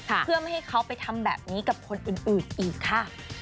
เพื่อไม่ให้เขาไปทำแบบนี้กับคนอื่นอีกค่ะ